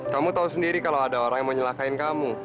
kamu tahu sendiri kalau ada orang yang menyelakain kamu